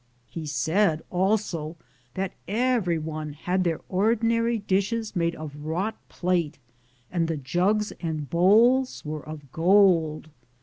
He said also that everyone had their ordinary dishes made of wrought plate, and the jugs and bowls were of gold.